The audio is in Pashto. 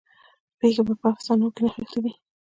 پیښې په افسانو کې نغښتې دي.